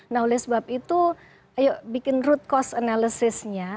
nah oleh sebab itu ayo bikin root cause analysis nya